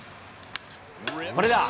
これだ。